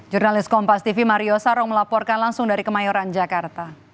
jurnalis kompas tv mario sarong melaporkan langsung dari kemayoran jakarta